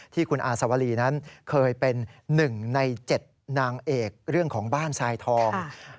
ที่คุณอาสวรีนั้นเคยเป็น๑ใน๗นางเอกเรื่องของบ้านทรายทอง